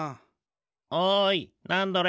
おいナンドレ。